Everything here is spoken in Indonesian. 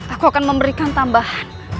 aku akan memberikan tambahan